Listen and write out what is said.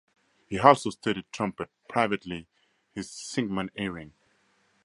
He also studied trumpet privately his Sigmund Hering.